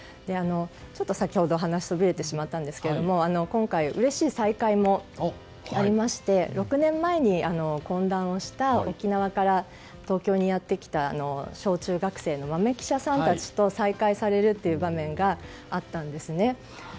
先ほど、お話とずれてしまったんですが今回、うれしい再会もありまして６年前に懇談をした沖縄から東京にやってきた小中学生の豆記者さんたちと再会されるという場面があったんですね。